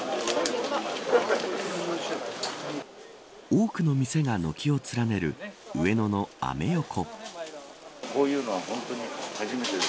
多くの店が軒を連ねる上野のアメ横。